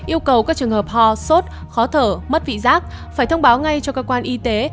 yêu cầu các trường hợp ho sốt khó thở mất vị giác phải thông báo ngay cho cơ quan y tế